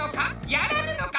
やらぬのか？